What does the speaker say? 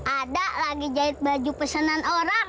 ada lagi jahit baju pesanan orang